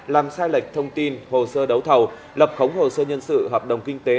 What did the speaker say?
làm sai lệch thông tin hồ sơ đấu thầu lập khống hồ sơ nhân sự hợp đồng kinh tế